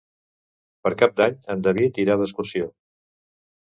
Per Cap d'Any en David irà d'excursió.